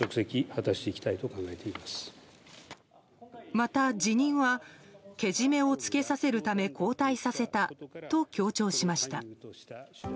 また、辞任はけじめをつけさせるため交代させたと強調しました。